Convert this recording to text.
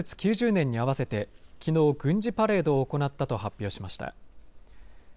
９０年に合わせてきのう、軍事パレードを行ったと発表しました。